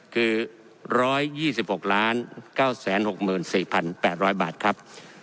คือ๑๒๖๙๖๔๘๐๐บาทครับ